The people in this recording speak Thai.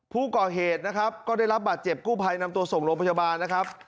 ผู้ก่อเหตุนะครับก็ได้รับบาดเจ็บกู้ภัยนำตัวส่งโรงพยาบาลนะครับ